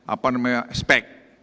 apa namanya spek